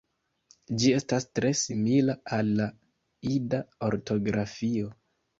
Ĝi estas tre simila al la Ida ortografio.